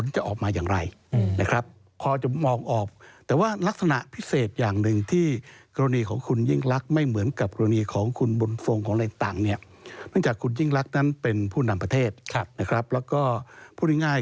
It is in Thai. จากคุณยิ่งรักนั้นเป็นผู้นำประเทศและก็พูดง่าย